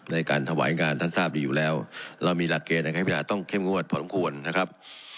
ในการถวายงานท่านทราบดีอยู่แล้วเรามีหลักเกณฑ์ในการพิจารณต้องเข้มงวดพอสมควรนะครับ